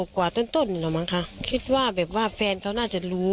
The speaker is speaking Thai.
คิดว่าแฟนเค้าน่าจะรู้